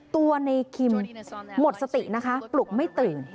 ตัวในคิมหมดสตินะคะปลุกไม่ตื่น